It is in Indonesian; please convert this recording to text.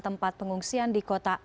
tempat pengungsian adalah atsuma jepang